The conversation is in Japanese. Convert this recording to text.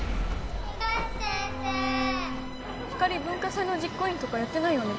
・東先生・光莉文化祭の実行委員とかやってないよね？